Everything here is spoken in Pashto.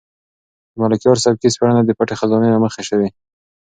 د ملکیار سبکي سپړنه د پټې خزانې له مخې شوې.